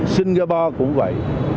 singapore cũng vậy